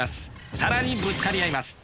更にぶつかり合います。